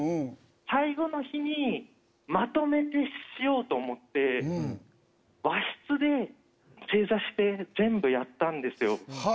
最後の日にまとめてしようと思って和室で正座して全部やったんですよ。